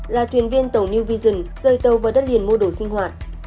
là thuyền viên tàu new vision rơi tàu vào đất liền mô đồ sinh hoạt